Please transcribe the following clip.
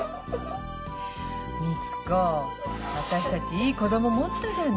みつ子私たちいい子供持ったじゃない。